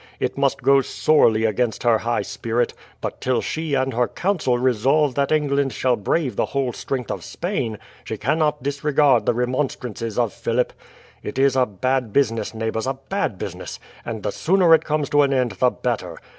It must go sorely against her high spirit; but till she and her council resolve that England shall brave the whole strength of Spain, she cannot disregard the remonstrances of Philip. It is a bad business, neighbours, a bad business; and the sooner it comes to an end the better.